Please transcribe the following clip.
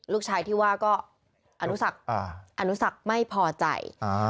ลูกชายที่ว่าก็อนุศักดิ์ไม่พอใจ